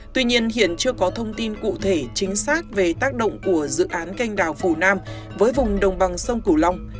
tuy nhiên hiện chưa có thông tin cụ thể chính xác về tác động của dự án canh đào phunam với vùng đồng bằng sông kiều long